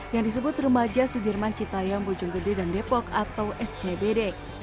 yang disebut remaja sudirman citayam bojonggede dan depok atau scbd